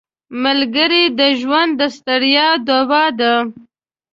ملګری د ژوند د ستړیا دوا ده